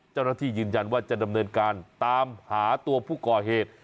เจ้าหน้าที่ยืนยันว่าจะดำเนินการตามหาตัวผู้ก่อเหตุ